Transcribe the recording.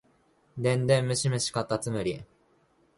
電電ムシムシかたつむり